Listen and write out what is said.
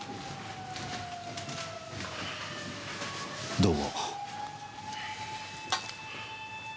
どうも。